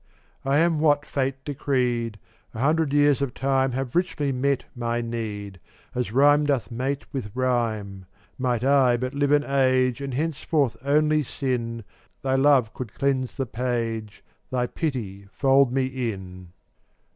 424 I am what Fate decreed; A hundred years of time Have richly met my need, As rhyme doth mate with rhyme. Might I but live an age And henceforth only sin, Thy love could cleanse the page, Thy pity fold me in.